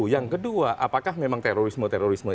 yang kedua apakah memang terorisme terorisme